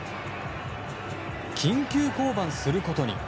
緊急降板することに。